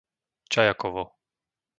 Čajakovo